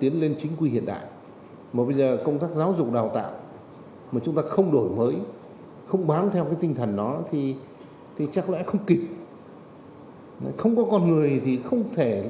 thế nhưng công tác giáo dục đào tạo là vô cùng quan trọng